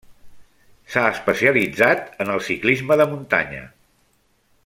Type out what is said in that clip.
S'ha especialitzat en el ciclisme de muntanya.